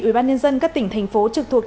ủy ban nhân dân các tỉnh thành phố trực thuộc